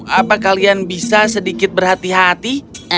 apa kalian bisa sedikit berhati hati